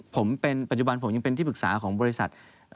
ผมเป็นปัจจุบันผมยังเป็นที่ปรึกษาของบริษัท